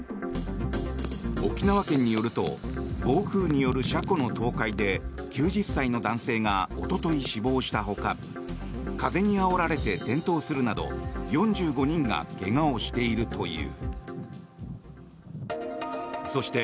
沖縄県によると暴風による車庫の倒壊で９０歳の男性がおととい死亡したほか風にあおられて転倒するなど４５人が怪我をしているという。